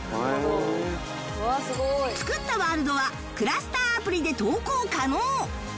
作ったワールドはクラスターアプリで投稿可能